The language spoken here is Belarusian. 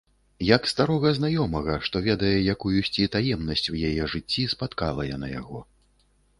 Як старога знаёмага, што ведае якуюсьці таемнасць у яе жыцці, спаткала яна яго.